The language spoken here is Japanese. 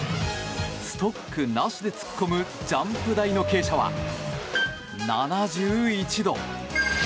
ストックなしで突っ込むジャンプ台の傾斜は７１度。